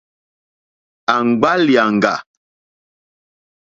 Àŋɡbá lìàŋɡà.